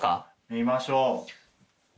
見ましょう。